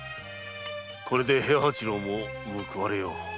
これで平八郎も報われよう。